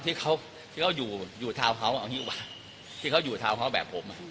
ที่เขาที่เขาอยู่อยู่เท่าเขาเอาอย่างงี้กว่าที่เขาอยู่เท่าเขาแบบผม